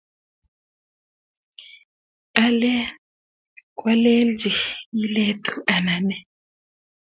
Alen kwalechin iletu anan nee?